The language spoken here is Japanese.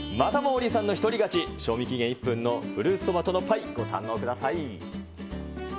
王林さんの一人勝ち、賞味期限１分のフルーツトマトのパイ、ご堪能ください。